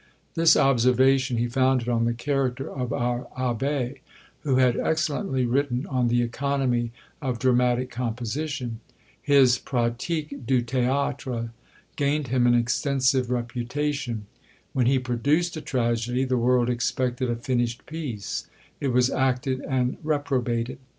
This observation he founded on the character of our Abbé; who had excellently written on the economy of dramatic composition. His Pratique du Théâtre gained him an extensive reputation. When he produced a tragedy, the world expected a finished piece; it was acted, and reprobated.